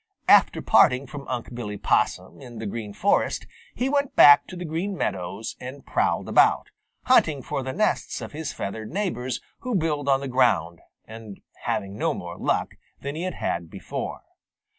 After parting from Unc' Billy Possum in the Green Forest he went back to the Green Meadows and prowled about, hunting for the nests of his feathered neighbors who build on the ground, and having no more luck than he had had before.